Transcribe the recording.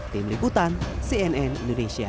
tim liputan cnn indonesia